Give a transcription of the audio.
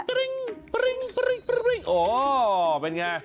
ปริงปริงปริงปริงโอ้เป็นไง